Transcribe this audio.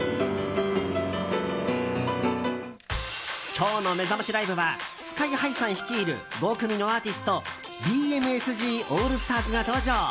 今日のめざましライブはＳＫＹ‐ＨＩさん率いる５組のアーティストＢＭＳＧＡＬＬＳＴＡＲＳが登場。